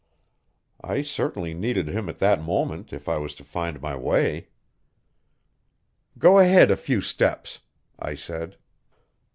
I certainly needed him at that moment if I was to find my way. "Go ahead a few steps," I said.